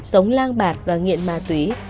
sống lang bạc và nghiện ma túy